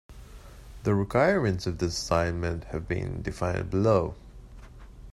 The requirements of this assignment have been defined below.